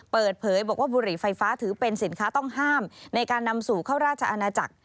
เปิดเผยบอกว่าบุหรี่ไฟฟ้าถือเป็นสินค้าต้องห้ามในการนำสู่เข้าราชอาณาจักร